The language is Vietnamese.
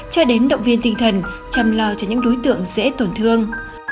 cho đến động viên tinh thần chăm lo cho những đối tượng dễ tổn thương